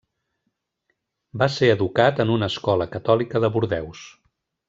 Va ser educat en una escola catòlica de Bordeus.